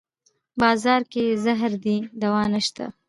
بازار کې زهر دی دوانشته